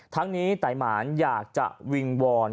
ทั้งนี้ไตหมานอยากจะวิงวอน